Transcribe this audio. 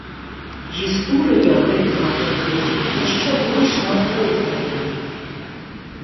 Гісторыя гэтага праекту яшчэ больш маркотная.